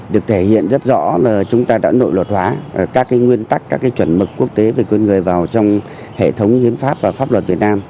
được thể hiện rất rõ là chúng ta đã nội luật hóa các nguyên tắc các chuẩn mực quốc tế về quyền người vào trong hệ thống hiến pháp và pháp luật việt nam